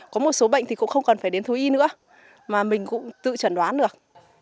có một số bệnh thì cũng không cần phải đến thu y nữa mà mình cũng tự chẩn đoán được